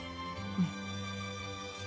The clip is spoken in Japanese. うん。